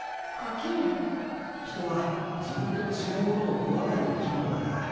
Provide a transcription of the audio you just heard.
人は自分と違うものを怖がる生き物だから。